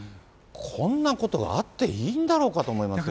こんなことがあっていいんだろうかと思います。